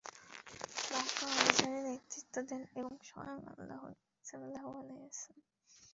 মক্কা অভিযানের নেতৃত্ব দেন স্বয়ং আল্লাহর নবী সাল্লাল্লাহু আলাইহি ওয়াসাল্লাম।